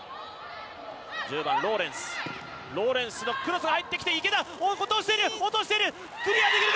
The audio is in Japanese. １０番・ローレンス、ローレンスのクロスが入ってきて落としている！